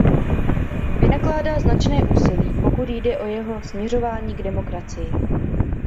Vynakládá značné úsilí, pokud jde o jeho směřování k demokracii.